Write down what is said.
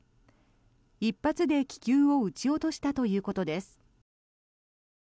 １発で気球を撃ち落としたということです。